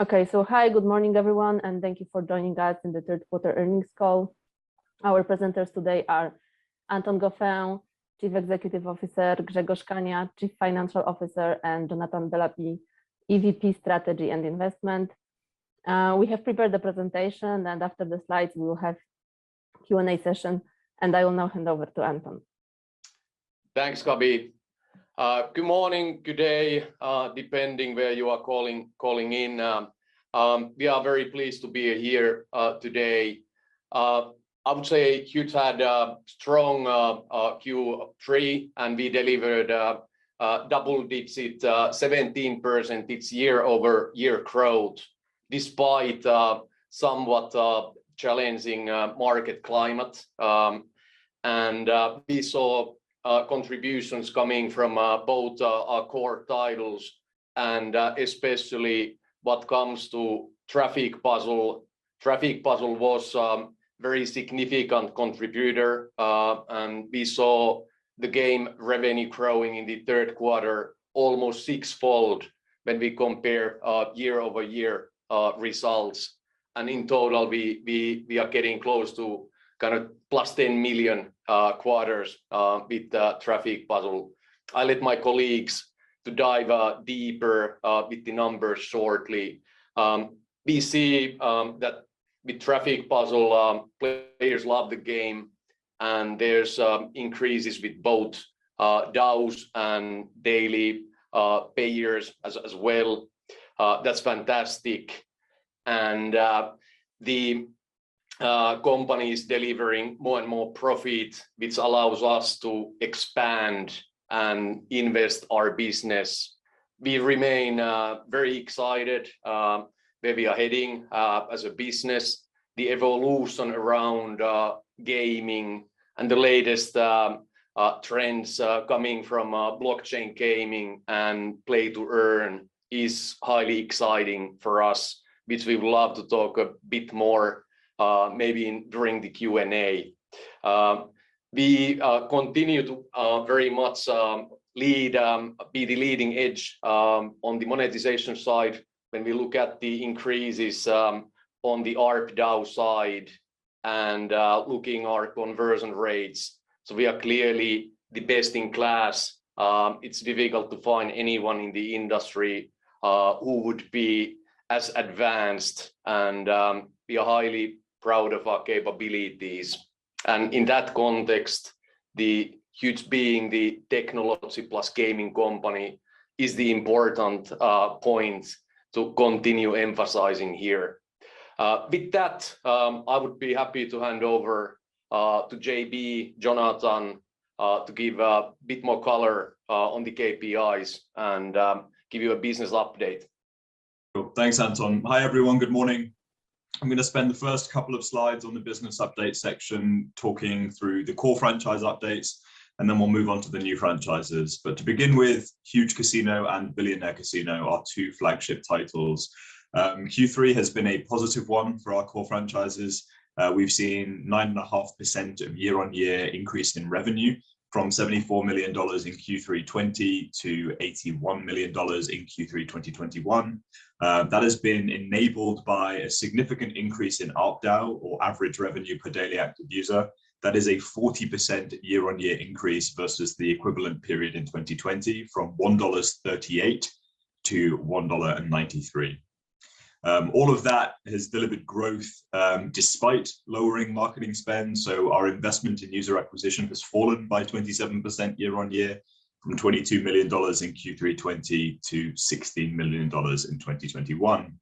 Okay. Hi, good morning, everyone, and thank you for joining us in the third quarter earnings call. Our presenters today are Anton Gauffin, Chief Executive Officer, Grzegorz Kania, Chief Financial Officer, and Jonathan Bellamy, EVP Strategy and Investment. We have prepared the presentation, and after the slides, we will have Q and A session. I will now hand over to Anton. Thanks, Gabi. Good morning, good day, depending where you are calling in. We are very pleased to be here today. I would say Huuuge had a strong Q3, and we delivered double-digit 17% in its year-over-year growth despite somewhat challenging market climate. We saw contributions coming from both our core titles and especially when it comes to Traffic Puzzle. Traffic Puzzle was a very significant contributor. We saw the game revenue growing in the third quarter almost sixfold when we compare year-over-year results. In total we are getting close to kind of +$10 million quarterly with Traffic Puzzle. I'll let my colleagues dive deeper with the numbers shortly. We see that with Traffic Puzzle players love the game, and there's increases with both DAUs and daily payers as well. That's fantastic. The company is delivering more and more profit, which allows us to expand and invest our business. We remain very excited where we are heading as a business. The evolution around gaming and the latest trends coming from blockchain gaming and play to earn is highly exciting for us, which we would love to talk a bit more maybe during the Q and A. We continue to very much be the leading edge on the monetization side when we look at the increases on the ARPDAU side and looking at our conversion rates. We are clearly the best in class. It's difficult to find anyone in the industry who would be as advanced and we are highly proud of our capabilities. In that context, the Huuuge being the technology plus gaming company is the important point to continue emphasizing here. With that, I would be happy to hand over to JB, Jonathan to give a bit more color on the KPIs and give you a business update. Thanks, Anton. Hi, everyone. Good morning. I'm gonna spend the first couple of slides on the business update section talking through the core franchise updates, and then we'll move on to the new franchises. To begin with, Huuuge Casino and Billionaire Casino are two flagship titles. Q3 has been a positive one for our core franchises. We've seen 9.5% year-on-year increase in revenue from $74 million in Q3 2020 to $81 million in Q3 2021. That has been enabled by a significant increase in ARPDAU, or Average Revenue per Daily Active User. That is a 40% year-on-year increase versus the equivalent period in 2020 from $1.38 to $1.93. All of that has delivered growth, despite lowering marketing spend. Our investment in user acquisition has fallen by 27% year-on-year from $22 million in Q3 2020 to $16 million in 2021.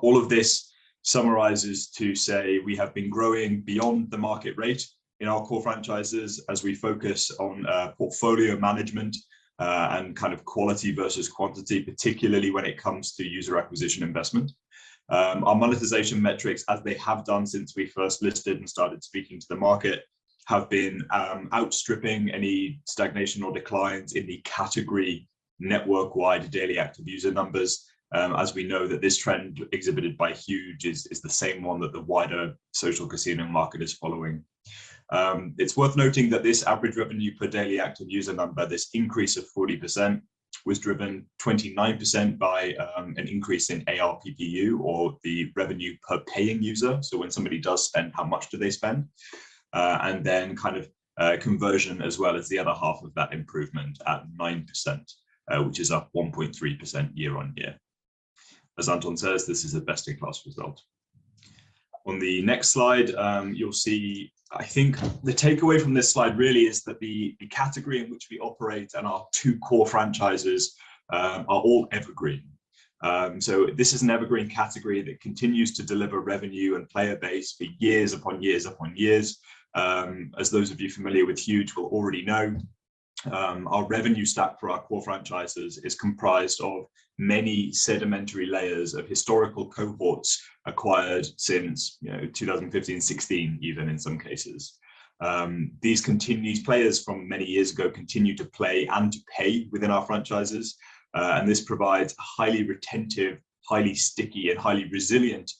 All of this summarizes to say we have been growing beyond the market rate in our core franchises as we focus on portfolio management and kind of quality versus quantity, particularly when it comes to user acquisition investment. Our monetization metrics, as they have done since we first listed and started speaking to the market, have been outstripping any stagnation or declines in the category network-wide daily active user numbers. As we know, this trend exhibited by Huuuge is the same one that the wider social casino market is following. It's worth noting that this average revenue per daily active user number, this increase of 40% was driven 29% by an increase in ARPPU or the revenue per paying user. When somebody does spend, how much do they spend? Then kind of conversion as well as the other half of that improvement at 9%, which is up 1.3% year-on-year. As Anton says, this is a best-in-class result. On the next slide, you'll see. I think the takeaway from this slide really is that the category in which we operate and our two core franchises are all evergreen. This is an evergreen category that continues to deliver revenue and player base for years upon years upon years. As those of you familiar with Huuuge will already know, our revenue stack for our core franchises is comprised of many sedimentary layers of historical cohorts acquired since, you know, 2015, 2016 even in some cases. These players from many years ago continue to play and pay within our franchises, and this provides highly retentive, highly sticky, and highly resilient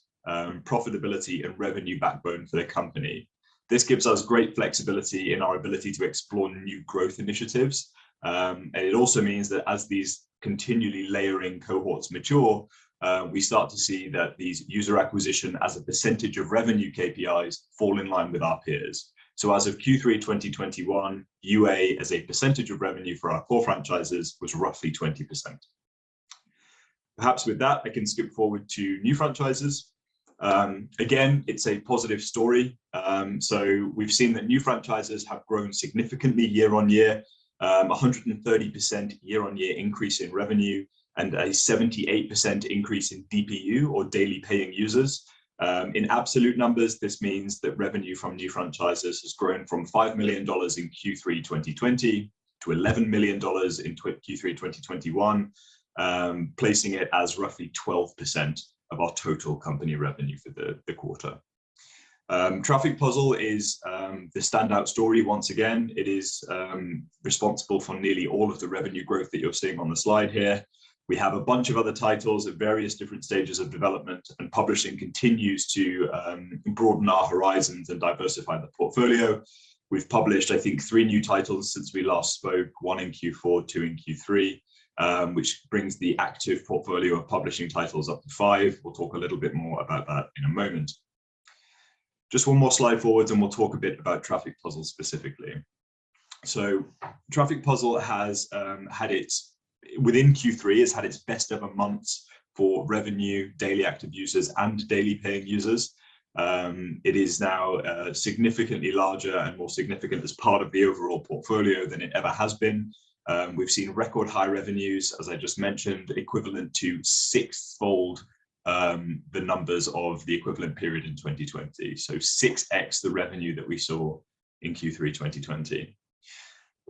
profitability and revenue backbone for the company. This gives us great flexibility in our ability to explore new growth initiatives. It also means that as these continually layering cohorts mature, we start to see that these user acquisition as a percentage of revenue KPIs fall in line with our peers. As of Q3 2021, UA as a percentage of revenue for our core franchises was roughly 20%. Perhaps with that, I can skip forward to new franchises. Again, it's a positive story. We've seen that new franchises have grown significantly year-on-year. A 130% year-on-year increase in revenue, and a 78% increase in DPU or daily paying users. In absolute numbers, this means that revenue from new franchises has grown from $5 million in Q3 2020 to $11 million in Q3 2021, placing it as roughly 12% of our total company revenue for the quarter. Traffic Puzzle is the standout story once again. It is responsible for nearly all of the revenue growth that you're seeing on the slide here. We have a bunch of other titles at various different stages of development, and publishing continues to broaden our horizons and diversify the portfolio. We've published, I think, three new titles since we last spoke, one in Q4, 2 in Q3, which brings the active portfolio of publishing titles up to five. We'll talk a little bit more about that in a moment. Just one more slide forwards, and we'll talk a bit about Traffic Puzzle specifically. Traffic Puzzle has within Q3 had its best ever months for revenue, daily active users, and daily paying users. It is now significantly larger and more significant as part of the overall portfolio than it ever has been. We've seen record high revenues, as I just mentioned, equivalent to sixfold the numbers of the equivalent period in 2020. Six X the revenue that we saw in Q3 2020.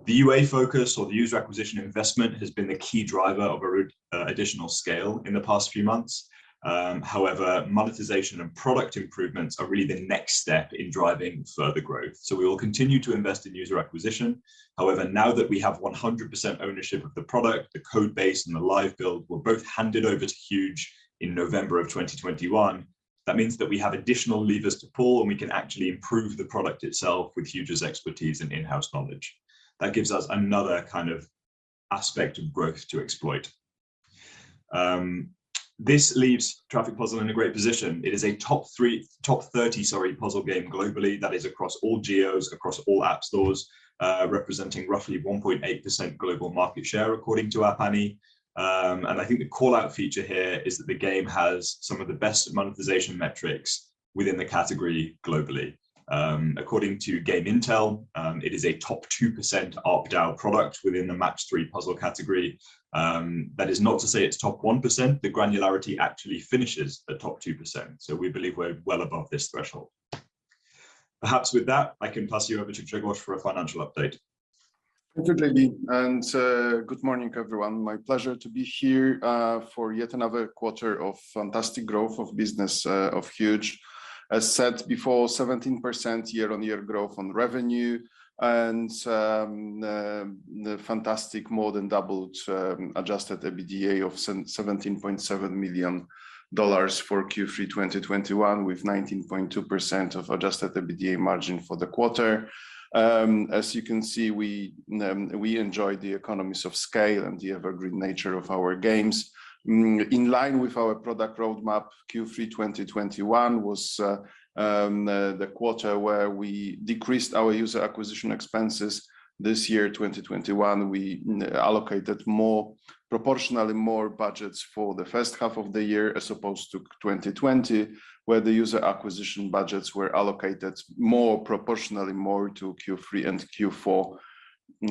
The UA focus or the user acquisition investment has been the key driver of our additional scale in the past few months. However, monetization and product improvements are really the next step in driving further growth. We will continue to invest in user acquisition. However, now that we have 100% ownership of the product, the code base, and the live build were both handed over to Huuuge in November 2021, that means that we have additional levers to pull, and we can actually improve the product itself with Huuuge's expertise and in-house knowledge. That gives us another kind of aspect of growth to exploit. This leaves Traffic Puzzle in a great position. It is a top 30, sorry, puzzle game globally, that is across all geos, across all app stores, representing roughly 1.8% global market share according to App Annie. I think the call-out feature here is that the game has some of the best monetization metrics within the category globally. According to GameIntel, it is a top 2% ARPDAU product within the match three puzzle category. That is not to say it's top 1%. The granularity actually finishes at top 2%, so we believe we're well above this threshold. Perhaps with that, I can pass you over to Grzegorz for a financial update. Thank you, JB, and good morning, everyone. My pleasure to be here for yet another quarter of fantastic growth of business of Huuuge. As said before, 17% year-on-year growth on revenue and the fantastic more than doubled adjusted EBITDA of $17.7 million for Q3 2021 with 19.2% of adjusted EBITDA margin for the quarter. As you can see, we enjoyed the economies of scale and the evergreen nature of our games. In line with our product roadmap, Q3 2021 was the quarter where we decreased our user acquisition expenses. This year, 2021, you know, allocated proportionally more budgets for the first half of the year as opposed to 2020, where the user acquisition budgets were allocated proportionally more to Q3 and Q4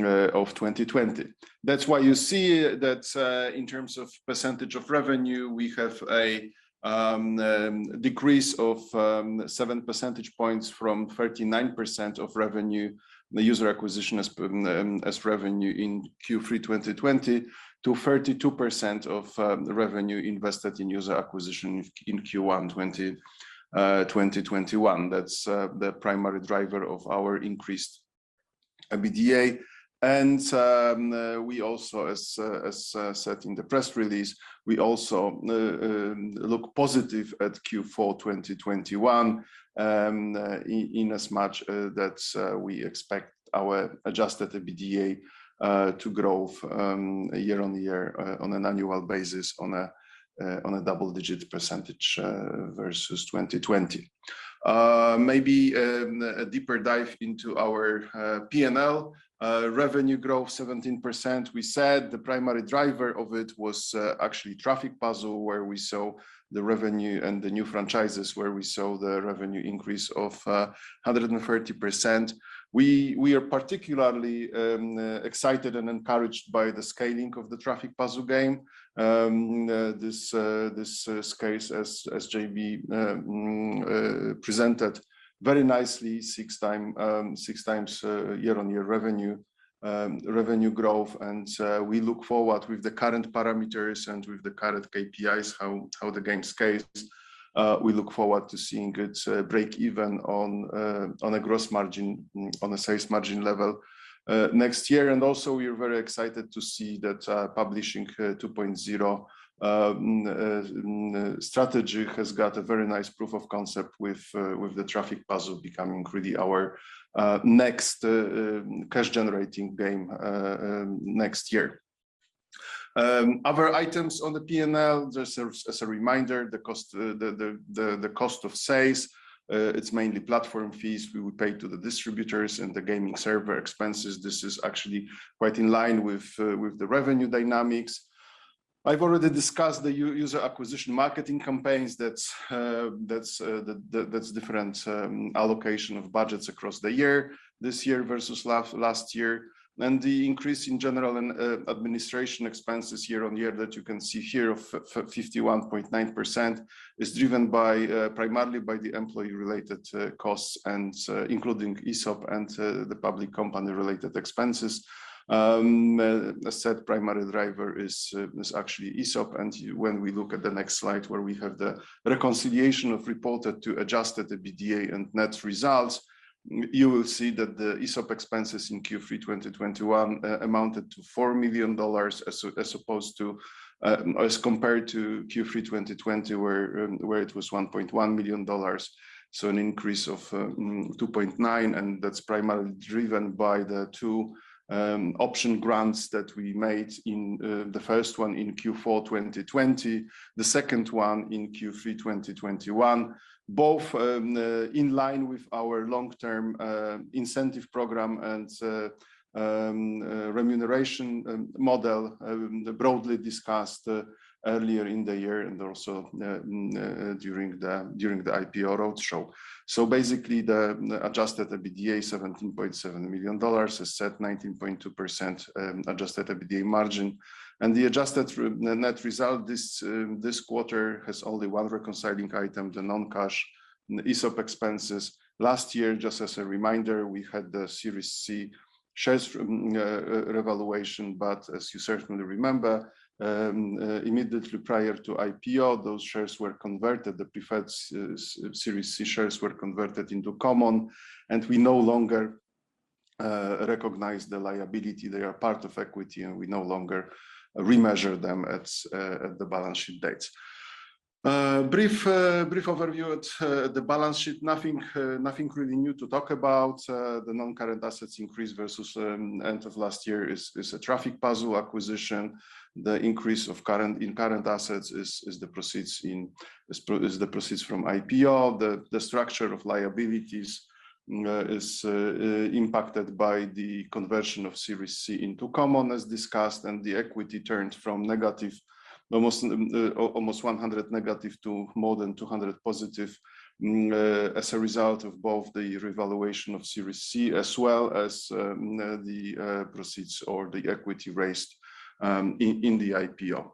of 2020. That's why you see that, in terms of percentage of revenue, we have a decrease of 7 percentage points from 39% of revenue in Q3 2020 to 32% of the revenue invested in user acquisition in Q1 2021. That's the primary driver of our increased EBITDA. We also, as said in the press release, look positive at Q4 2021, inasmuch that we expect our adjusted EBITDA to grow year-on-year on an annual basis on a double-digit percentage versus 2020. Maybe a deeper dive into our P&L, revenue growth 17%. We said the primary driver of it was actually Traffic Puzzle, where we saw the revenue and the new franchises where we saw the revenue increase of 130%. We are particularly excited and encouraged by the scaling of the Traffic Puzzle game. This scale, as JB presented very nicely, 6x year-on-year revenue growth. We look forward with the current parameters and with the current KPIs how the game scales. We look forward to seeing it break even on a gross margin, on a sales margin level next year. Also, we are very excited to see that Publishing 2.0 strategy has got a very nice proof of concept with the Traffic Puzzle becoming really our cash-generating game next year. Other items on the P&L, just as a reminder, the cost of sales, it's mainly platform fees we would pay to the distributors and the gaming server expenses. This is actually quite in line with the revenue dynamics. I've already discussed the user acquisition marketing campaigns that's different allocation of budgets across the year, this year versus last year. The increase in general and administrative expenses year-over-year that you can see here of 51.9% is driven by primarily by the employee related costs and including ESOP and the public company related expenses. The said primary driver is actually ESOP. When we look at the next slide where we have the reconciliation of reported to adjusted EBITDA and net results, you will see that the ESOP expenses in Q3 2021 amounted to $4 million as opposed to as compared to Q3 2020, where it was $1.1 million. An increase of 2.9%, and that's primarily driven by the two option grants that we made in the first one in Q4 2020, the second one in Q3 2021, both in line with our long-term incentive program and remuneration model, broadly discussed earlier in the year and also during the IPO roadshow. Basically the adjusted EBITDA $17.7 million has a 19.2% adjusted EBITDA margin. The adjusted net result this quarter has only one reconciling item, the non-cash ESOP expenses. Last year, just as a reminder, we had the Series C shares revaluation, but as you certainly remember, immediately prior to IPO, those shares were converted. The preferred Series C shares were converted into common, and we no longer recognize the liability. They are part of equity, and we no longer remeasure them at the balance sheet dates. Brief overview at the balance sheet. Nothing really new to talk about. The non-current assets increase versus end of last year is a Traffic Puzzle acquisition. The increase in current assets is the proceeds from IPO. The structure of liabilities is impacted by the conversion of Series C into common as discussed, and the equity turned from negative almost 100 to more than 200 positive as a result of both the revaluation of Series C as well as the proceeds or the equity raised in the IPO.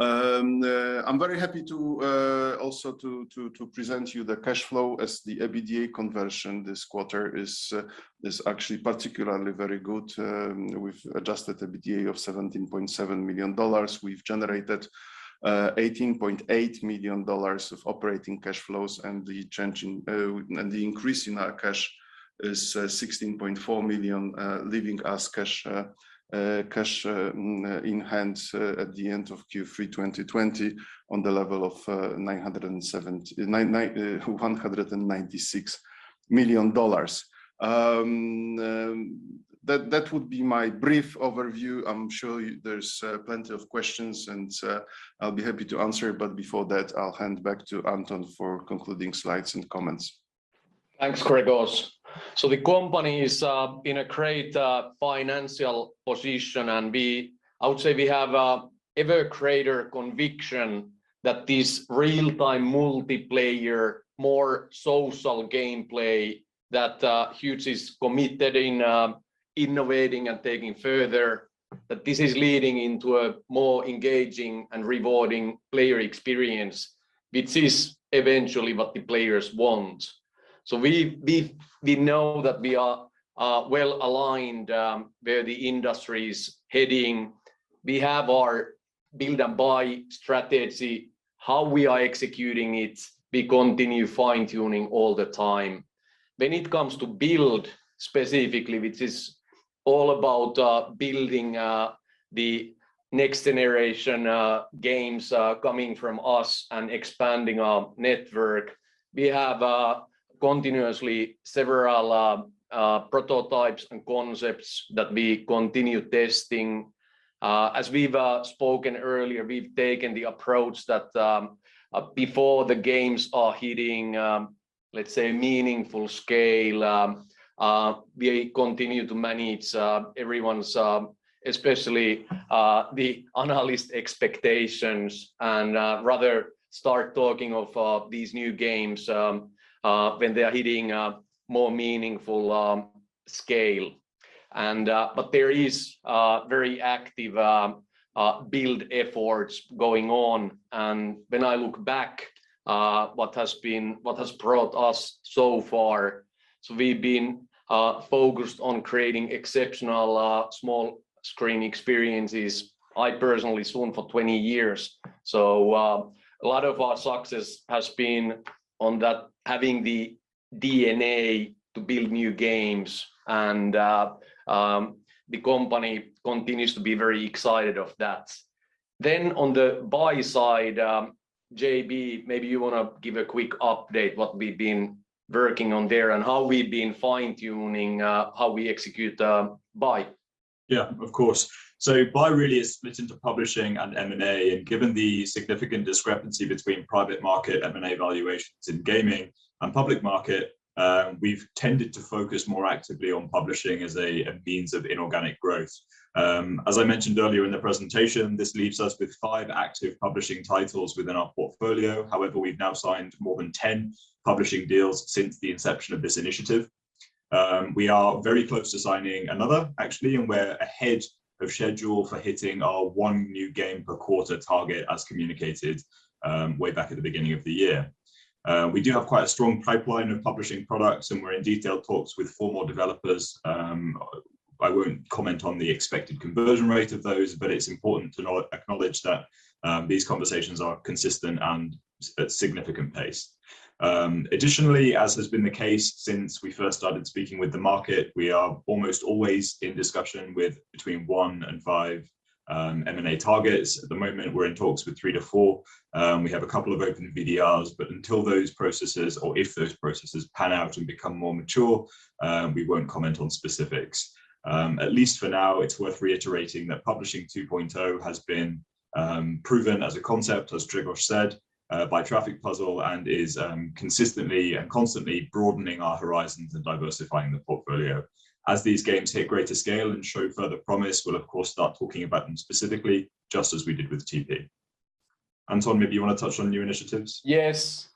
I'm very happy to also present to you the cash flow as the EBITDA conversion this quarter is actually particularly very good. We've adjusted EBITDA of $17.7 million. We've generated $18.8 million of operating cash flows, and the increase in our cash is $16.4 million, leaving us cash in hand at the end of Q3 2020 on the level of $196 million. That would be my brief overview. I'm sure there's plenty of questions, and I'll be happy to answer, but before that, I'll hand back to Anton for concluding slides and comments. Thanks, Grzegorz. The company is in a great financial position, and we I would say we have an even greater conviction that this real-time multiplayer, more social gameplay that Huuuge is committed in innovating and taking further, that this is leading into a more engaging and rewarding player experience, which is eventually what the players want. We've we know that we are well-aligned where the industry is heading. We have our build and buy strategy, how we are executing it. We continue fine-tuning all the time. When it comes to build specifically, which is all about building the next generation games coming from us and expanding our network, we have continuously several prototypes and concepts that we continue testing. As we've spoken earlier, we've taken the approach that, before the games are hitting, let's say, meaningful scale, we continue to manage everyone's, especially the analysts' expectations and rather start talking of these new games when they are hitting more meaningful scale. There is very active build efforts going on. When I look back, what has brought us so far, we've been focused on creating exceptional small screen experiences. I personally have been doing this for 20 years. A lot of our success has been on that having the DNA to build new games. The company continues to be very excited of that. On the buy side, JB, maybe you wanna give a quick update what we've been working on there, and how we've been fine-tuning how we execute buy. Yeah, of course. Buy really is split into publishing and M&A. Given the significant discrepancy between private market M&A valuations in gaming and public market, we've tended to focus more actively on publishing as a means of inorganic growth. As I mentioned earlier in the presentation, this leaves us with five active publishing titles within our portfolio. However, we've now signed more than 10 publishing deals since the inception of this initiative. We are very close to signing another actually, and we're ahead of schedule for hitting our one new game per quarter target as communicated, way back at the beginning of the year. We do have quite a strong pipeline of publishing products, and we're in detailed talks with four more developers. I wouldn't comment on the expected conversion rate of those, but it's important to acknowledge that these conversations are consistent and at significant pace. Additionally, as has been the case since we first started speaking with the market, we are almost always in discussion with between one and five M&A targets. At the moment, we're in talks with three to four, we have a couple of open VDRs. Until those processes or if those processes pan out and become more mature, we won't comment on specifics. At least for now, it's worth reiterating that Publishing 2.0 has been proven as a concept, as Trigos said, by Traffic Puzzle, and is consistently and constantly broadening our horizons and diversifying the portfolio. As these games hit greater scale and show further promise, we'll of course start talking about them specifically just as we did with TP. Anton, maybe you wanna touch on new initiatives? Yes.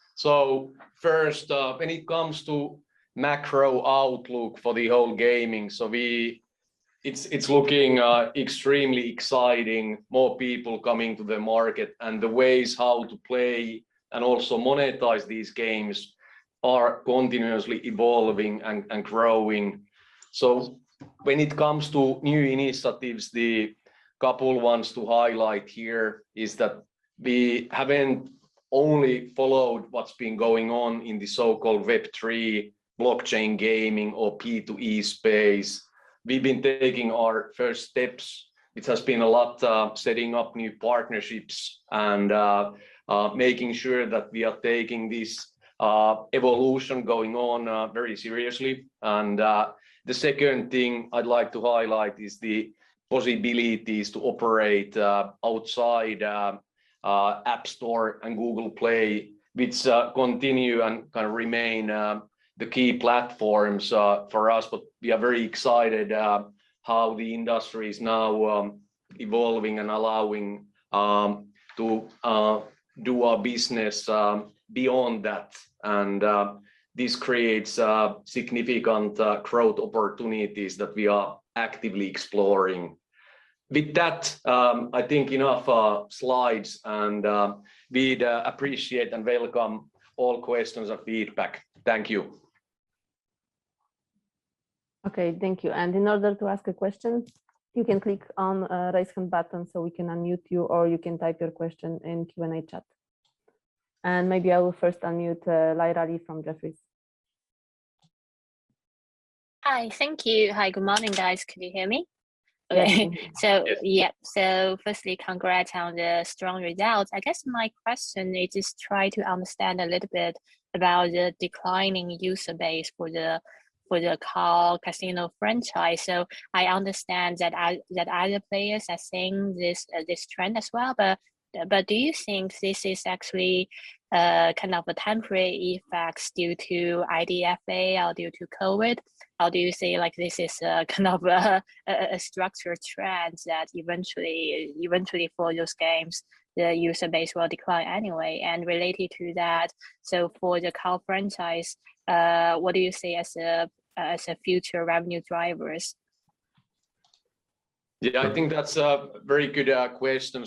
First, when it comes to macro outlook for the whole gaming, it's looking extremely exciting, more people coming to the market and the ways how to play and also monetize these games are continuously evolving and growing. When it comes to new initiatives, the couple ones to highlight here is that we haven't only followed what's been going on in the so-called Web3 blockchain gaming or P2E space. We've been taking our first steps. It has been a lot, setting up new partnerships and making sure that we are taking this evolution going on very seriously. The second thing I'd like to highlight is the possibilities to operate outside App Store and Google Play, which continue and kind of remain the key platforms for us. We are very excited how the industry is now evolving and allowing to do our business beyond that. This creates significant growth opportunities that we are actively exploring. With that, I think enough slides and we'd appreciate and welcome all questions or feedback. Thank you. Okay, thank you. In order to ask a question, you can click on raise hand button so we can unmute you, or you can type your question in Q and A chat. Maybe I will first unmute Larrad from Jefferies. Hi, thank you. Hi. Good morning, guys. Can you hear me? Yes. Yes. Okay. Yeah. Firstly, congrats on the strong results. I guess my question is just try to understand a little bit about the declining user base for the Core Casino franchise. I understand that other players are seeing this trend as well, but do you think this is actually kind of a temporary effect due to IDFA or due to COVID? Or do you see like this is kind of a structural trend that eventually for those games, the user base will decline anyway? Related to that, for the Core franchise, what do you see as the future revenue drivers? Yeah, I think that's a very good question.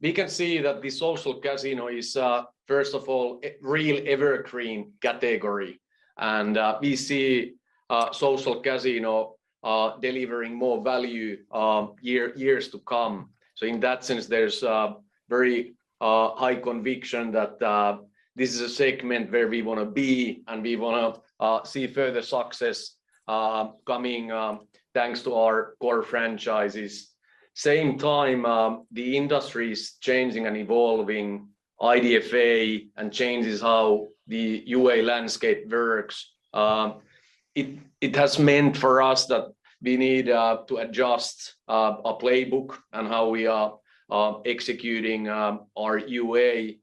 We can see that the Social Casino is, first of all, a real evergreen category. We see Social Casino delivering more value years to come. In that sense, there's a very high conviction that this is a segment where we wanna be, and we wanna see further success coming thanks to our core franchises. At the same time, the industry is changing and evolving. IDFA changes how the UA landscape works. It has meant for us that we need to adjust our playbook and how we are executing our UA.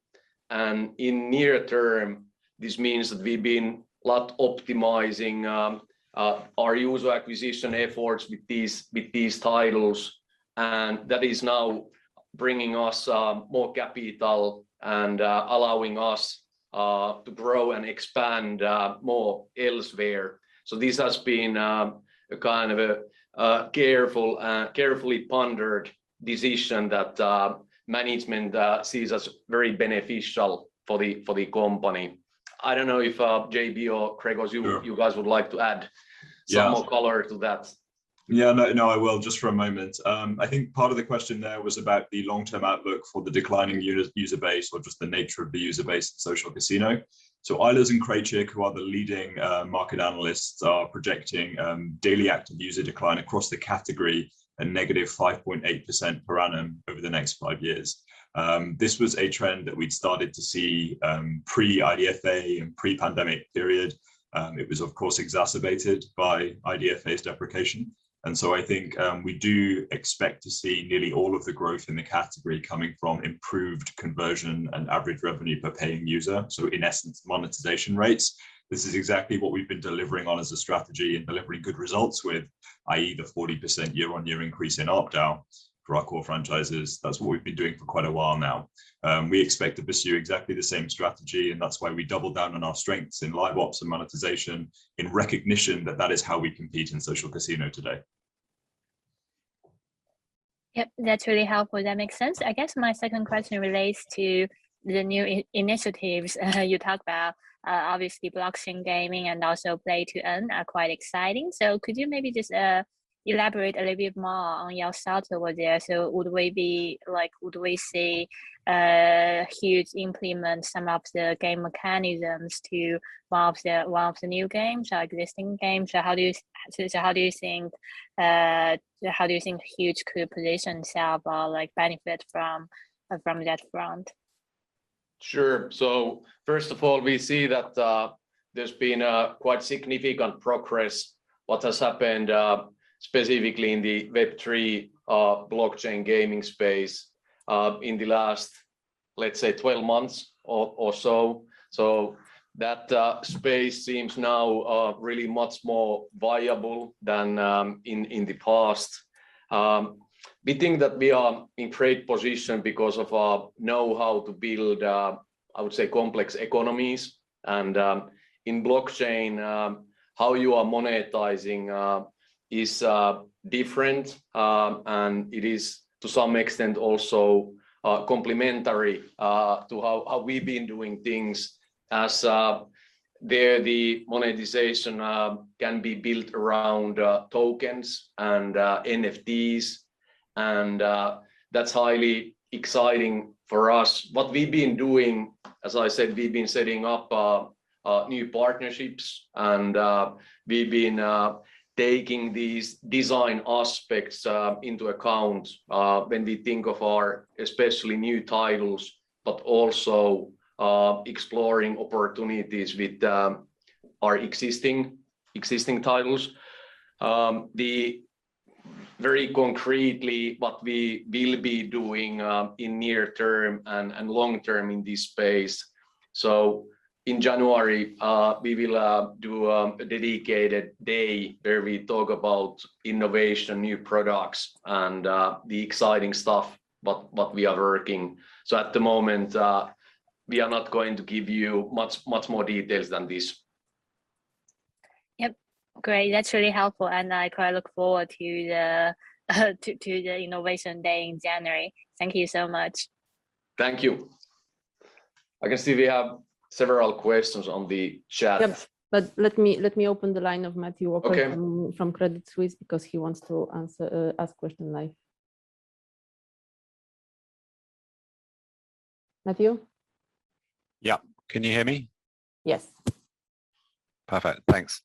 In the near term, this means that we've been optimizing a lot our user acquisition efforts with these titles. That is now bringing us more capital and allowing us to grow and expand more elsewhere. This has been a kind of carefully pondered decision that management sees as very beneficial for the company. I don't know if JB or Craig, or you- Sure you guys would like to add. Yeah Some more color to that. Yeah. No, no, I will. Just for a moment. I think part of the question there was about the long-term outlook for the declining user base or just the nature of the user base Social Casino. Eilers & Krejcik, who are the leading market analysts, are projecting daily active user decline across the category a negative 5.8% per annum over the next five years. This was a trend that we'd started to see pre-IDFA and pre-pandemic period. It was of course exacerbated by IDFA's deprecation. I think we do expect to see nearly all of the growth in the category coming from improved conversion and average revenue per paying user, so in essence, monetization rates. This is exactly what we've been delivering on as a strategy and delivering good results with, id est, the 40% year-on-year increase in ARPPU for our core franchises. That's what we've been doing for quite a while now. We expect to pursue exactly the same strategy, and that's why we doubled down on our strengths in live ops and monetization in recognition that that is how we compete in Social Casino today. Yep, that's really helpful. That makes sense. I guess my second question relates to the new initiatives you talk about. Obviously blockchain gaming and also play-to-earn are quite exciting. Could you maybe just elaborate a little bit more on your thoughts over there? Would we see Huuuge implement some of the game mechanisms to one of the new games or existing games? How do you think Huuuge Corporation itself like benefit from that front? Sure. First of all, we see that there's been quite significant progress what has happened specifically in the Web3 blockchain gaming space in the last, let's say, 12 months or so. That space seems now really much more viable than in the past. We think that we are in great position because of our knowhow to build I would say complex economies. In blockchain how you are monetizing is different and it is to some extent also complementary to how we've been doing things as there the monetization can be built around tokens and NFTs and that's highly exciting for us. What we've been doing, as I said, we've been setting up new partnerships, and we've been taking these design aspects into account when we think of our especially new titles, but also exploring opportunities with our existing titles. Very concretely what we will be doing in near term and long term in this space. In January, we will do a dedicated day where we talk about innovation, new products and the exciting stuff, but what we are working. At the moment, we are not going to give you much more details than this. Yep. Great. That's really helpful, and I quite look forward to the innovation day in January. Thank you so much. Thank you. I can see we have several questions on the chat. Yep. Let me open the line of Matthew Walker. Okay from Credit Suisse because he wants to ask question live. Matthew? Yeah. Can you hear me? Yes. Perfect. Thanks.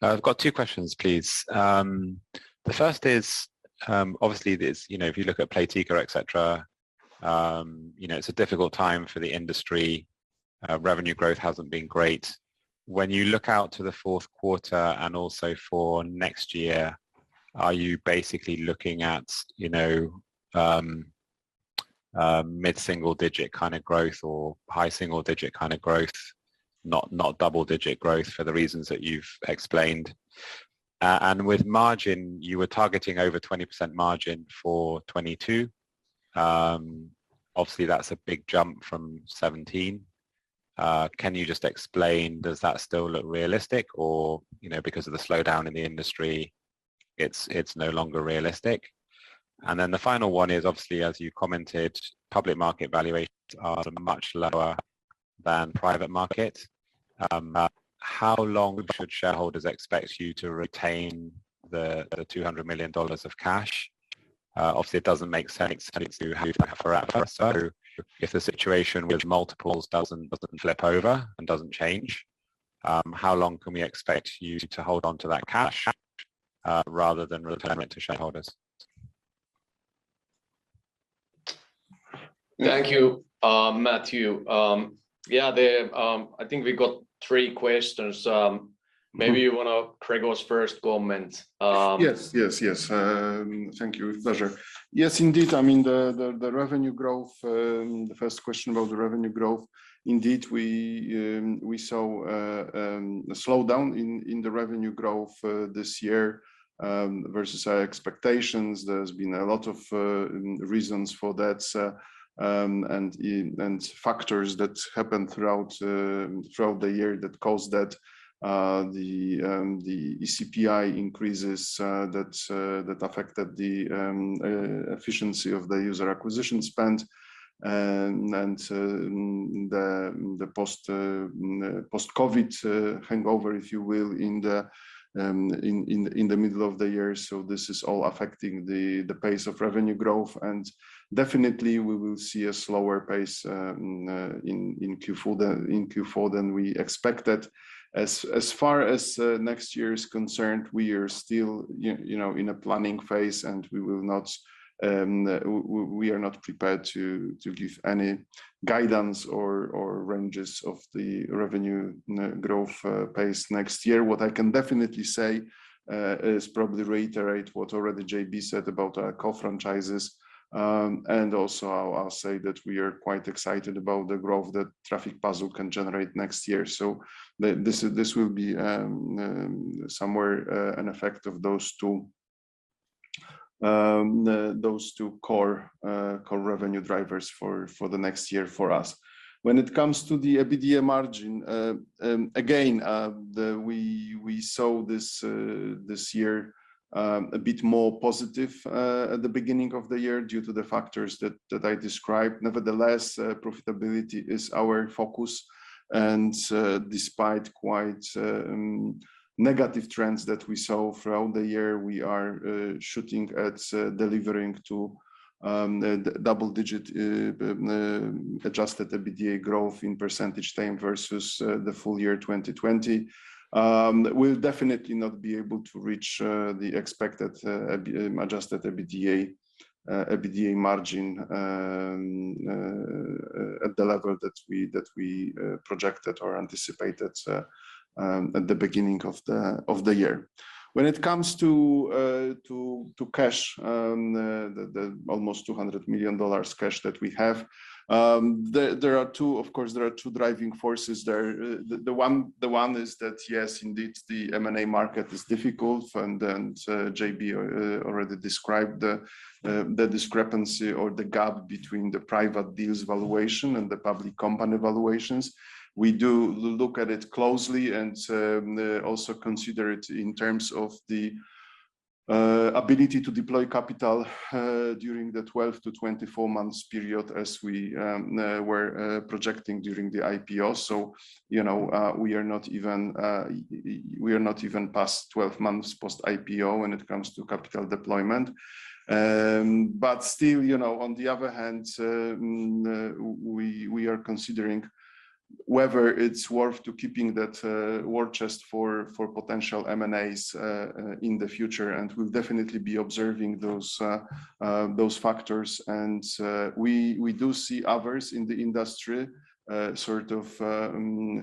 I've got two questions, please. The first is, obviously there's, you know, if you look at Playtika, et cetera, you know, it's a difficult time for the industry. Revenue growth hasn't been great. When you look out to the fourth quarter and also for next year, are you basically looking at, you know, mid-single digit kind of growth or high single digit kind of growth, not double digit growth for the reasons that you've explained? With margin, you were targeting over 20% margin for 2022. Obviously that's a big jump from 17%. Can you just explain, does that still look realistic or, you know, because of the slowdown in the industry, it's no longer realistic? The final one is obviously, as you commented, public market valuations are much lower than private market. How long should shareholders expect you to retain the $200 million of cash? Obviously it doesn't make sense to have forever. If the situation with multiples doesn't flip over and doesn't change, how long can we expect you to hold onto that cash rather than return it to shareholders? Thank you, Matthew. Yeah, I think we got three questions. Maybe you wanna Gregorz's first comment. Yes. Thank you. Pleasure. Yes, indeed. I mean, the revenue growth, the first question about the revenue growth, indeed, we saw- The slowdown in the revenue growth this year versus our expectations, there's been a lot of reasons for that and factors that happened throughout the year that caused that. The eCPI increases that affected the efficiency of the user acquisition spend and the post-COVID hangover, if you will, in the middle of the year. This is all affecting the pace of revenue growth. Definitely we will see a slower pace in Q4 than we expected. As far as next year is concerned, we are still you know in a planning phase, and we are not prepared to give any guidance or ranges of the revenue growth pace next year. What I can definitely say is probably reiterate what already JB said about our core franchises. Also I'll say that we are quite excited about the growth that Traffic Puzzle can generate next year. This will be somewhere an effect of those two core revenue drivers for the next year for us. When it comes to the EBITDA margin, again, we saw this year a bit more positive at the beginning of the year due to the factors that I described. Nevertheless, profitability is our focus, and despite quite negative trends that we saw throughout the year, we are shooting at delivering the double-digit adjusted EBITDA growth in percentage terms versus the full year 2020. We'll definitely not be able to reach the expected adjusted EBITDA margin at the level that we projected or anticipated at the beginning of the year. When it comes to cash, the almost $200 million cash that we have, there are two driving forces there, of course. The one is that, yes, indeed, the M&A market is difficult, and JB already described the discrepancy or the gap between the private deals valuation and the public company valuations. We do look at it closely and also consider it in terms of the ability to deploy capital during the 12-24 months period as we were projecting during the IPO. You know, we are not even past 12 months post-IPO when it comes to capital deployment. But still, you know, on the other hand, we are considering whether it's worth keeping that war chest for potential M&As in the future, and we'll definitely be observing those factors. We do see others in the industry sort of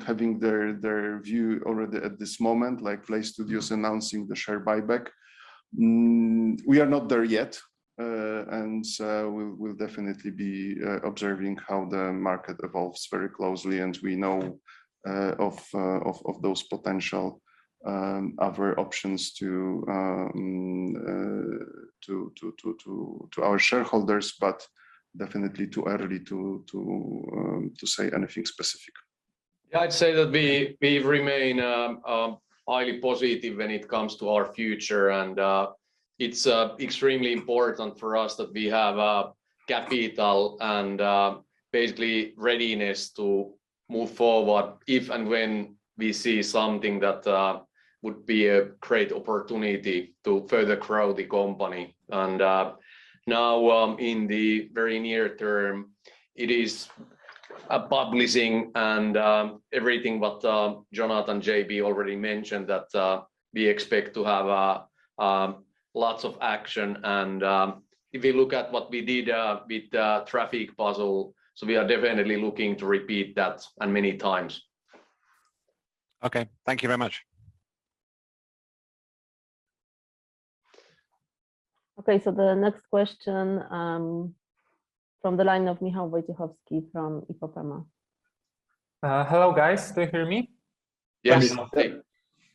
having their view already at this moment, like PLAYSTUDIOS announcing the share buyback. We are not there yet, and we'll definitely be observing how the market evolves very closely. We know of those potential other options to our shareholders, but definitely too early to say anything specific. Yeah. I'd say that we remain highly positive when it comes to our future. It's extremely important for us that we have capital and basically readiness to move forward if and when we see something that would be a great opportunity to further grow the company. Now, in the very near term, it is about releasing and everything what Jonathan and JB already mentioned that we expect to have lots of action. If you look at what we did with Traffic Puzzle, so we are definitely looking to repeat that and many times. Okay. Thank you very much. Okay. The next question, from the line of Michał Wojciechowski from PKO BP. Hello, guys. Do you hear me? Yes. Yes.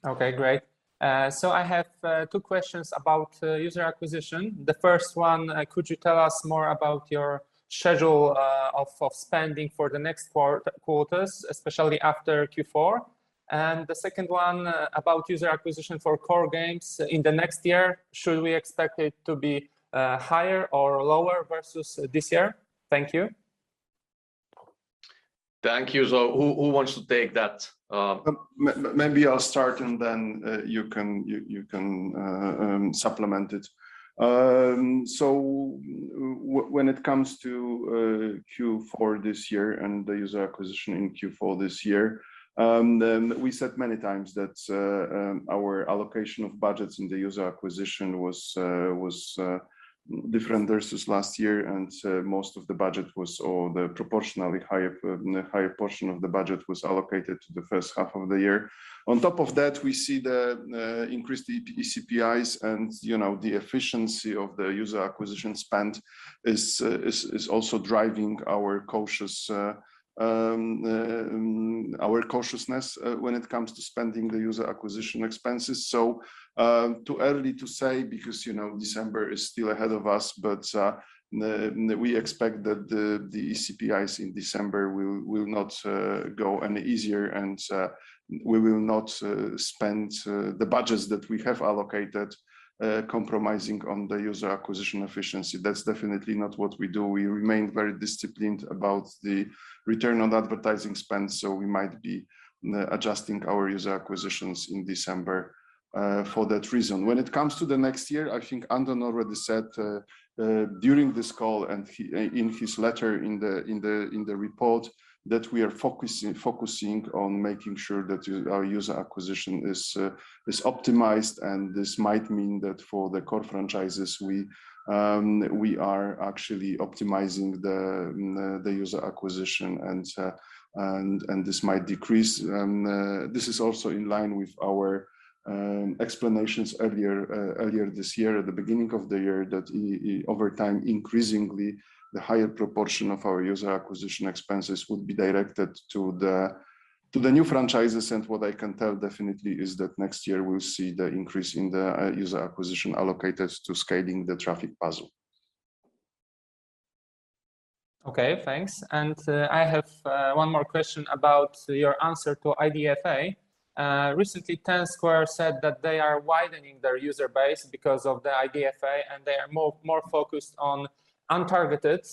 Okay, great. I have two questions about user acquisition. The first one, could you tell us more about your schedule of spending for the next quarters, especially after Q4? The second one, about user acquisition for core games in the next year. Should we expect it to be higher or lower versus this year? Thank you. Thank you. Who wants to take that? Maybe I'll start, and then you can supplement it. When it comes to Q4 this year and the user acquisition in Q4 this year, then we said many times that our allocation of budgets in the user acquisition was different versus last year. Most of the budget was, or the proportionally higher portion of the budget was allocated to the first half of the year. On top of that, we see the increased eCPIs and, you know, the efficiency of the user acquisition spend is also driving our cautiousness when it comes to spending the user acquisition expenses. Too early to say because, you know, December is still ahead of us. We expect that the eCPIs in December will not go any easier and we will not spend the budgets that we have allocated compromising on the user acquisition efficiency. That's definitely not what we do. We remain very disciplined about the return on advertising spend, so we might be adjusting our user acquisitions in December for that reason. When it comes to the next year, I think Anton already said during this call and he in his letter in the report, that we are focusing on making sure that our user acquisition is optimized. This might mean that for the core franchises we are actually optimizing the user acquisition and this might decrease. This is also in line with our explanations earlier this year, at the beginning of the year, that over time, increasingly, the higher proportion of our user acquisition expenses would be directed to the new franchises. What I can tell definitely is that next year we'll see the increase in the user acquisition allocations to scaling the Traffic Puzzle. Okay, thanks. I have one more question about your answer to IDFA. Recently, Ten Square Games said that they are widening their user base because of the IDFA, and they are more focused on untargeted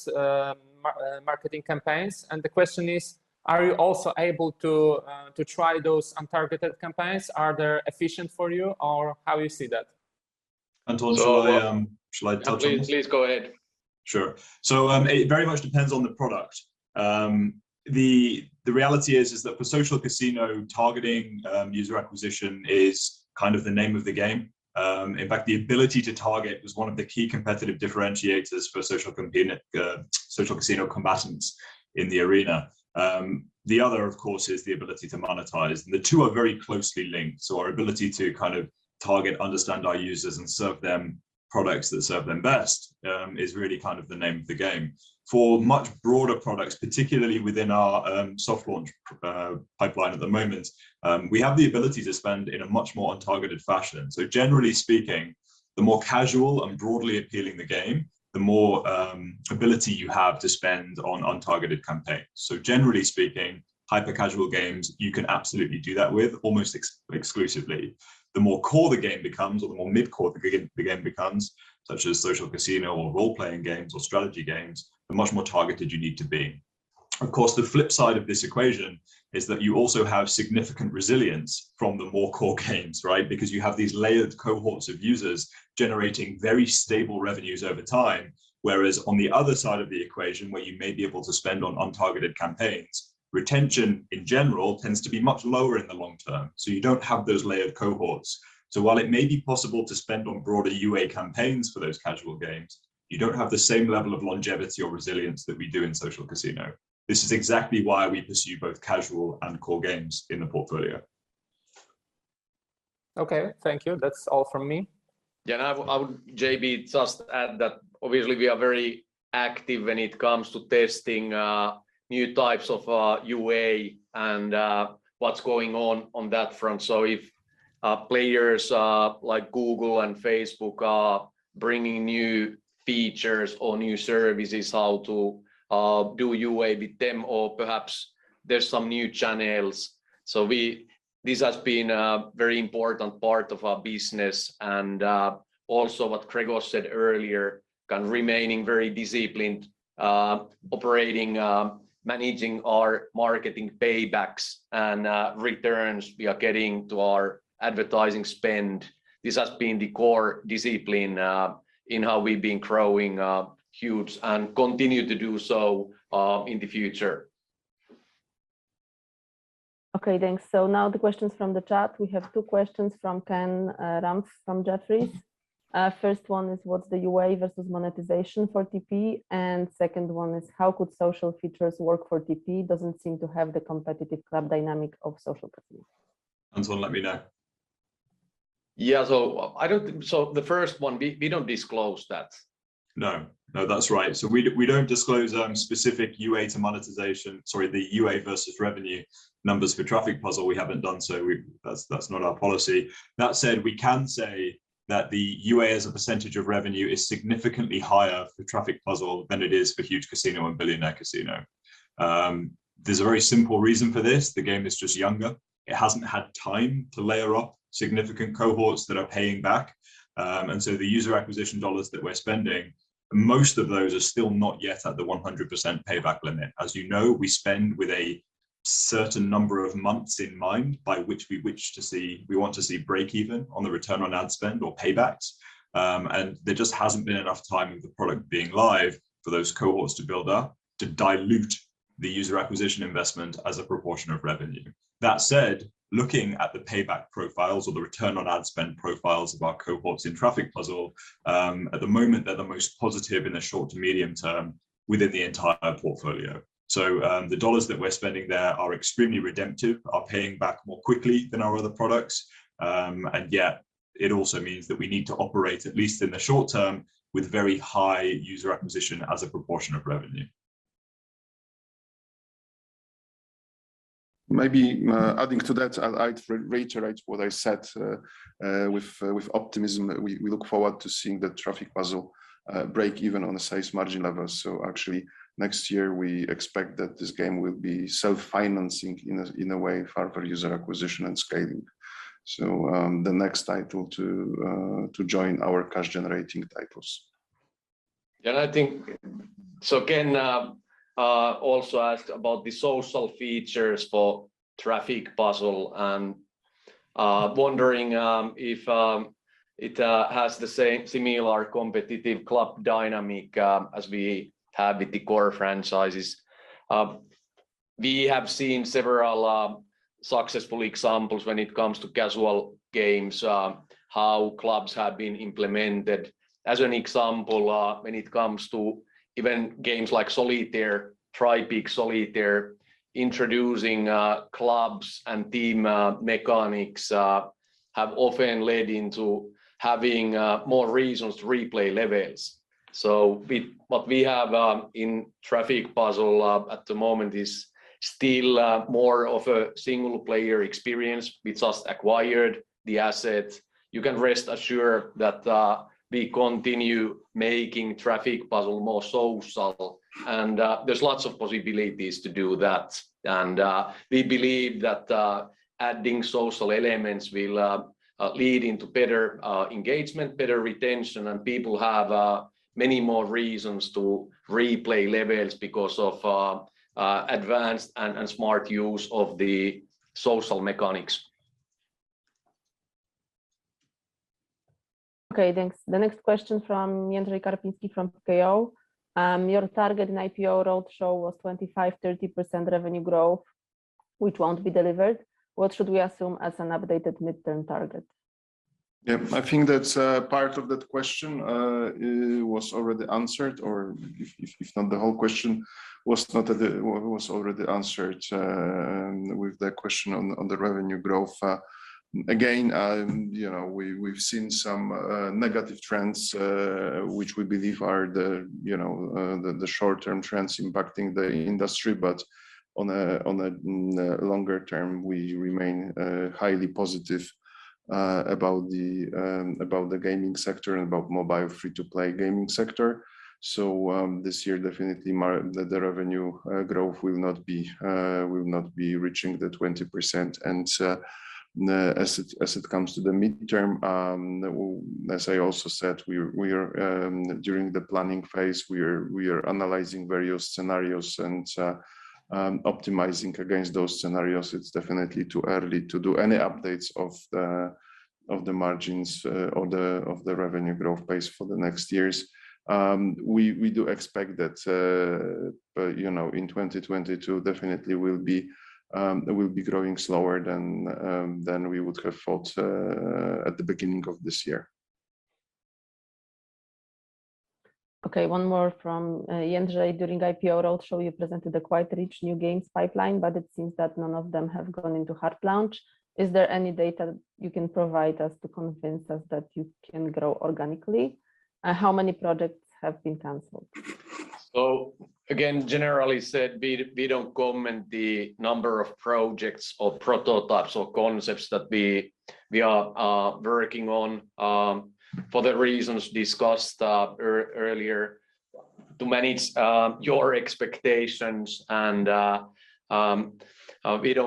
marketing campaigns. The question is, are you also able to try those untargeted campaigns? Are they efficient for you, or how you see that? Anton, Shall I touch on this? Please go ahead. Sure. It very much depends on the product. The reality is that for Social Casino, targeting user acquisition is kind of the name of the game. In fact, the ability to target is one of the key competitive differentiators for Social Casino combatants in the arena. The other, of course, is the ability to monetize. The two are very closely linked, so our ability to kind of target, understand our users, and serve them products that serve them best is really kind of the name of the game. For much broader products, particularly within our soft launch pipeline at the moment, we have the ability to spend in a much more untargeted fashion. Generally speaking, the more casual and broadly appealing the game, the more ability you have to spend on untargeted campaigns. Generally speaking, hyper-casual games, you can absolutely do that with, almost exclusively. The more core the game becomes or the more mid-core the game becomes, such as social casino or role-playing games or strategy games, the much more targeted you need to be. Of course, the flip side of this equation is that you also have significant resilience from the more core games, right? Because you have these layered cohorts of users generating very stable revenues over time. Whereas, on the other side of the equation, where you may be able to spend on untargeted campaigns, retention in general tends to be much lower in the long term, so you don't have those layered cohorts. While it may be possible to spend on broader UA campaigns for those casual games, you don't have the same level of longevity or resilience that we do in Social Casino. This is exactly why we pursue both casual and core games in the portfolio. Okay, thank you. That's all from me. Yeah. I would, JB, just add that obviously we are very active when it comes to testing new types of UA and what's going on on that front. If players like Google and Facebook are bringing new features or new services, how to do UA with them or perhaps there's some new channels. This has been a very important part of our business. Also what Grzegorz said earlier, kind of remaining very disciplined operating managing our marketing paybacks and returns we are getting to our advertising spend. This has been the core discipline in how we've been growing Huuuge and continue to do so in the future. Okay, thanks. Now the questions from the chat. We have two questions from Ken Rumph from Jefferies. First one is what's the UA versus monetization for TP? And second one is, how could social features work for TP? Doesn't seem to have the competitive club dynamic of Social Casino. Anton, let me know. The first one, we don't disclose that. No. That's right. We don't disclose specific UA to monetization, sorry, the UA versus revenue numbers for Traffic Puzzle. We haven't done so. That's not our policy. That said, we can say that the UA as a percentage of revenue is significantly higher for Traffic Puzzle than it is for Huuuge Casino and Billionaire Casino. There's a very simple reason for this. The game is just younger. It hasn't had time to layer up significant cohorts that are paying back. The user acquisition dollars that we're spending, most of those are still not yet at the 100% payback limit. As you know, we spend with a certain number of months in mind by which we wish to see, we want to see breakeven on the return on ad spend or paybacks. There just hasn't been enough time of the product being live for those cohorts to build up to dilute the user acquisition investment as a proportion of revenue. That said, looking at the payback profiles or the return on ad spend profiles of our cohorts in Traffic Puzzle, at the moment they're the most positive in the short to medium term within the entire portfolio. The dollars that we're spending there are extremely redeeming, are paying back more quickly than our other products. It also means that we need to operate at least in the short term with very high user acquisition as a proportion of revenue. Maybe adding to that, I'd reiterate what I said with optimism that we look forward to seeing the Traffic Puzzle break even on the sales margin levels. Actually next year we expect that this game will be self-financing in a way for our per user acquisition and scaling. The next title to join our cash generating titles. Ken also asked about the social features for Traffic Puzzle and wondering if it has the same similar competitive club dynamic as we have with the core franchises. We have seen several successful examples when it comes to casual games how clubs have been implemented. As an example, when it comes to even games like Solitaire, Tri Peaks Solitaire, introducing clubs and team mechanics have often led into having more reasons to replay levels. With what we have in Traffic Puzzle at the moment is still more of a single player experience. We just acquired the asset. You can rest assured that we continue making Traffic Puzzle more social and there's lots of possibilities to do that. We believe that adding social elements will lead into better engagement, better retention, and people have many more reasons to replay levels because of advanced and smart use of the social mechanics. Okay, thanks. The next question from Andrzej Karpiński from KO. Your target in IPO roadshow was 25%-30% revenue growth, which won't be delivered. What should we assume as an updated midterm target? Yeah, I think that's part of that question was already answered or if not, the whole question was already answered with the question on the revenue growth. Again, you know, we've seen some negative trends which we believe are the, you know, the short-term trends impacting the industry. On a longer term, we remain highly positive about the gaming sector and about mobile free-to-play gaming sector. This year definitely the revenue growth will not be reaching the 20%. As it comes to the midterm, as I also said, we are during the planning phase, we are analyzing various scenarios and optimizing against those scenarios. It's definitely too early to do any updates of the margins or the revenue growth base for the next years. We do expect that, you know, in 2022 definitely we'll be growing slower than we would have thought at the beginning of this year. Okay, one more from Andrzej Karpiński. During IPO roadshow, you presented a quite rich new games pipeline, but it seems that none of them have gone into hard launch. Is there any data you can provide us to convince us that you can grow organically? And how many projects have been canceled? Again, generally said, we don't comment on the number of projects or prototypes or concepts that we are working on for the reasons discussed earlier. To manage your expectations and we don't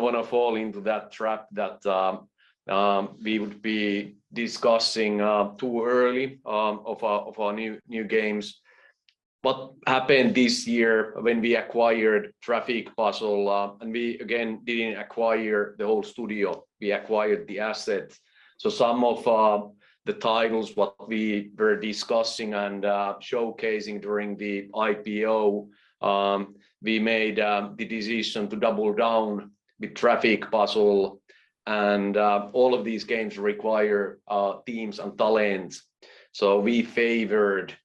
want to fall into that trap that we would be discussing too early on our new games. What happened this year when we acquired Traffic Puzzle and we again didn't acquire the whole studio, we acquired the asset. Some of the titles what we were discussing and showcasing during the IPO, we made the decision to double down with Traffic Puzzle and all of these games require teams and talents. We valued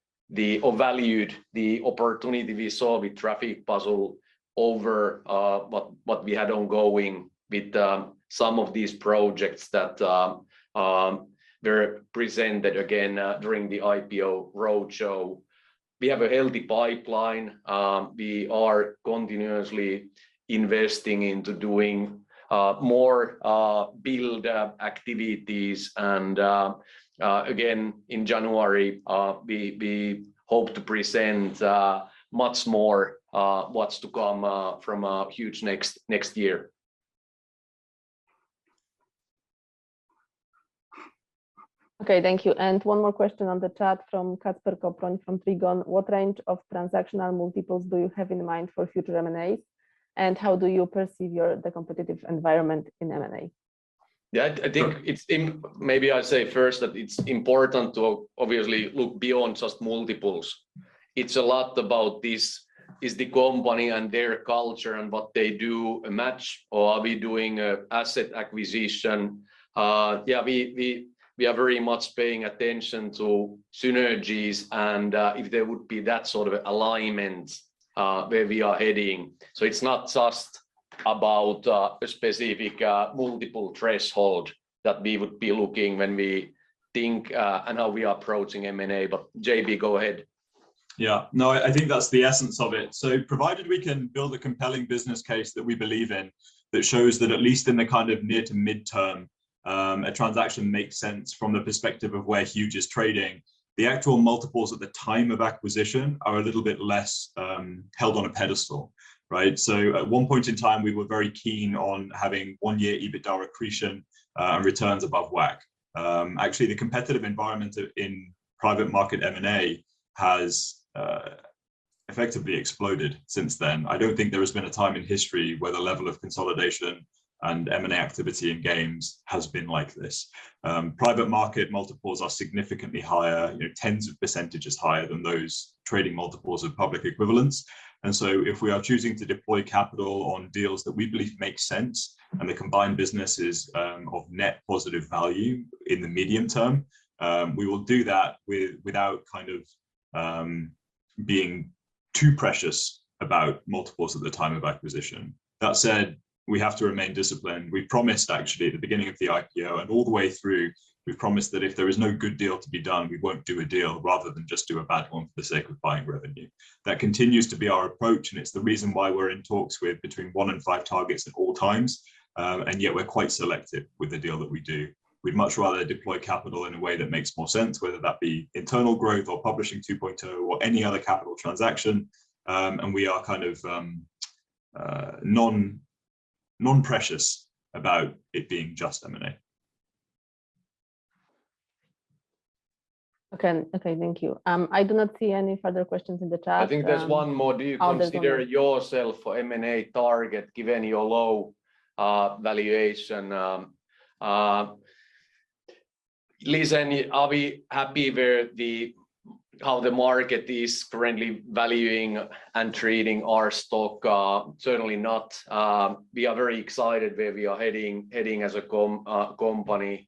the opportunity we saw with Traffic Puzzle over what we had ongoing with some of these projects that were presented again during the IPO roadshow. We have a healthy pipeline. We are continuously investing into doing more build activities and again, in January, we hope to present much more what's to come from Huuuge next year. Okay, thank you. One more question on the chat from Kacper Koproń from Trigon. What range of transactional multiples do you have in mind for future M&As, and how do you perceive your, the competitive environment in M&A? Yeah, I think it's maybe I say first that it's important to obviously look beyond just multiples. It's a lot about this. Is the company and their culture and what they do a match, or are we doing an asset acquisition? Yeah, we are very much paying attention to synergies and if there would be that sort of alignment where we are heading. It's not just about a specific multiple threshold that we would be looking when we think and how we are approaching M&A. JB, go ahead. Yeah. No, I think that's the essence of it. Provided we can build a compelling business case that we believe in that shows that at least in the kind of near to midterm, a transaction makes sense from the perspective of where Huuuge is trading, the actual multiples at the time of acquisition are a little bit less held on a pedestal, right? At one point in time, we were very keen on having one-year EBITDA accretion, and returns above WACC. Actually, the competitive environment in private market M&A has effectively exploded since then. I don't think there has been a time in history where the level of consolidation and M&A activity in games has been like this. Private market multiples are significantly higher, you know, tens of percentages higher than those trading multiples of public equivalents. If we are choosing to deploy capital on deals that we believe make sense and the combined business is of net positive value in the medium term, we will do that without kind of being too precious about multiples at the time of acquisition. That said, we have to remain disciplined. We promised, actually, at the beginning of the IPO and all the way through, we've promised that if there is no good deal to be done, we won't do a deal rather than just do a bad one for the sake of buying revenue. That continues to be our approach, and it's the reason why we're in talks with between one and five targets at all times, and yet we're quite selective with the deal that we do. We'd much rather deploy capital in a way that makes more sense, whether that be internal growth or Publishing 2.0 or any other capital transaction. We are kind of non-precious about it being just M&A. Okay, thank you. I do not see any further questions in the chat. I think there's one more. Oh, there's one more. Do you consider yourself a M&A target given your low valuation? Listen, are we happy with how the market is currently valuing and treating our stock? Certainly not. We are very excited about where we are heading as a company.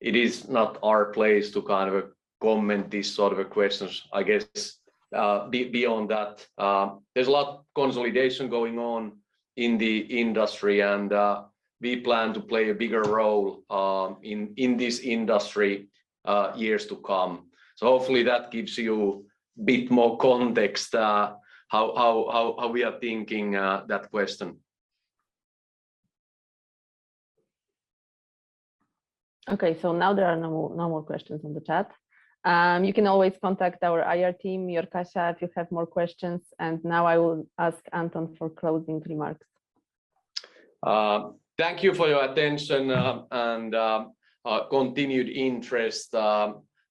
It is not our place to kind of comment these sort of questions, I guess. Beyond that, there's a lot of consolidation going on in the industry and we plan to play a bigger role in this industry years to come. Hopefully that gives you a bit more context on how we are thinking about that question. Now there are no more questions on the chat. You can always contact our IR team, Jyrki, if you have more questions. Now I will ask Anton for closing remarks. Thank you for your attention, and continued interest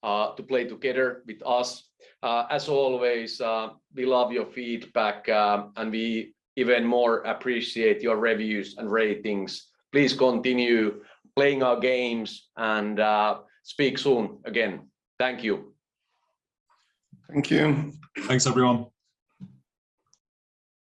to play together with us. As always, we love your feedback, and we even more appreciate your reviews and ratings. Please continue playing our games and speak soon again. Thank you. Thank you. Thanks, everyone.